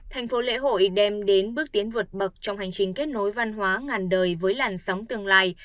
thành phố lễ hội đem đến bước tiến vượt bậc trong hành trình kết nối văn hóa ngàn đời với làn sóng tương lai